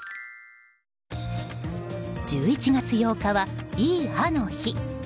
１１月８日は、いい歯の日。